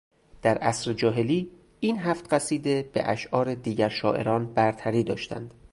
در عصر جاهلی این هفت قصیده به اشعار دیگر شاعران برتری داشتند